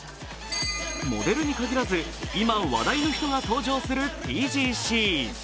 モデルに限らず、今話題の人が登場するＴＧＣ。